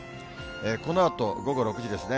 このあと、午後６時ですね。